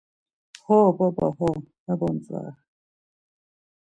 Ho baba ho, mebontzare.